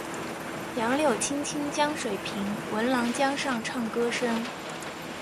杨柳青青江水平，闻郎江上唱歌声。